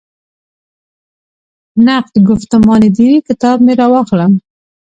«نقد ګفتمان دیني» کتاب مې راواخلم.